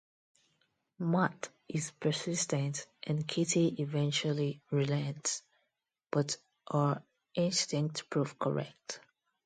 Matt is persistent and Kitty eventually relents, but her instincts prove correct.